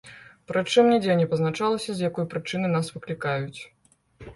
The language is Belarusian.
Прычым, нідзе не пазначалася з якой прычыны нас выклікаюць.